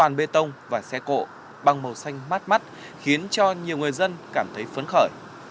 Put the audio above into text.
cây xanh đô thị trồng và xe cộ băng màu xanh mát mắt khiến cho nhiều người dân cảm thấy phấn khởi